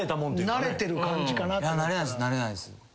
慣れないです。